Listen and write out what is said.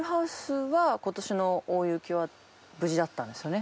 今年の大雪は無事だったんですよね？